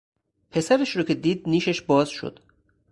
پسرش را که دید نیشش باز شد.